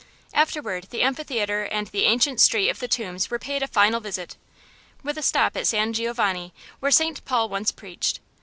Afterward the amphitheatre and the ancient street of the tombs were paid a final visit, with a stop at San Giovanni, where St. Paul once preached.